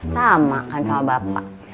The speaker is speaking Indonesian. sama kan sama bapak